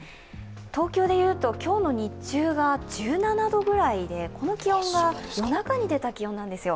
東京でいうと今日の日中は１７度ぐらいでこの気温が夜中に出た気温なんですよ。